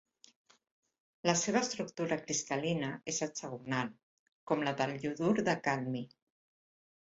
La seva estructura cristal·lina és hexagonal, com la del iodur de cadmi.